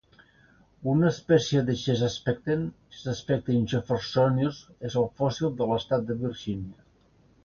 Una espècie de "Chesapecten", "Chesapecten jeffersonius", és el fòssil de l'estat de Virgínia.